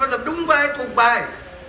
anh phải làm đúng vai thuộc bài